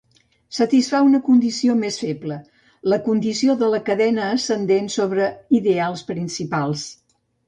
Satisfà una condició més feble: la condició de la cadena ascendent sobre ideals principals.